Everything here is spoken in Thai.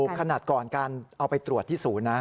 ขนาดก่อนการเอาไปตรวจที่ศูนย์นะ